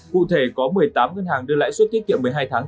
cụ thể có một mươi tám ngân hàng đưa lãi suất tiết kiệm một mươi hai tháng